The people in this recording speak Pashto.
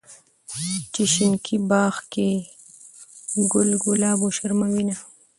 چې شينکي باغ کې ګل ګلاب وشرمووينه